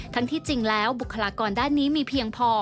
ที่จริงแล้วบุคลากรด้านนี้มีเพียงพอ